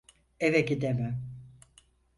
Eve gidemem.